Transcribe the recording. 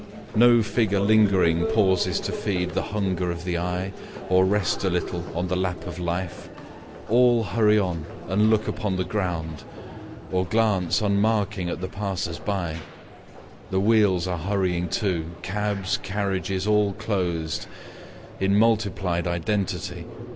No figure lingeringPauses to feed the hunger of the eyeOr rest a little on the lap of life. All hurry on & look upon the ground, Or glance unmarking at the passers byThe wheels are hurrying too, cabs, carriagesAll closed, in multiplied identity.